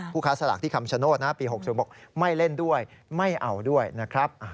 ค้าสลากที่คำชโนธนะปี๖๐บอกไม่เล่นด้วยไม่เอาด้วยนะครับ